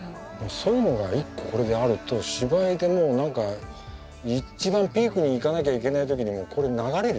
そういうのが一個これであると芝居でもう何か一番ピークにいかなきゃいけない時にもこれ流れるよね